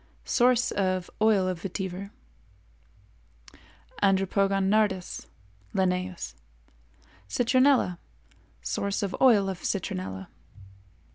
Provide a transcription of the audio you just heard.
Source of Oil of Vetiver. 4. Andropogon nardus L.—Citronella. Source of Oil of Citronella.